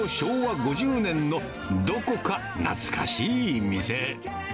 昭和５０年のどこか懐かしい店。